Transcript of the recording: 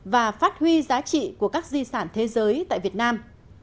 và phát huy giá trị của các di sản thế giới tại việt nam